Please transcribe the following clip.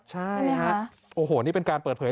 ใช่ฮะโอ้โหนี่เป็นการเปิดเผย